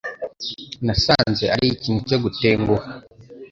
Nasanze ari ikintu cyo gutenguha.